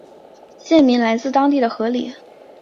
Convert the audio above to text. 县名来自当地的河狸。